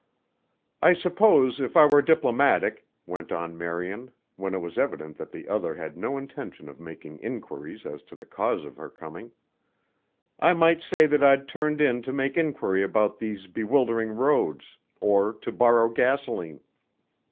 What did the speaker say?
"I suppose if I were diplomatic," went on Marian when it was evident that the other had no intention of making inquiries as to the cause of her coming, "I might say that I'd turned in to make inquiry about these bewildering roads or to borrow gasoline."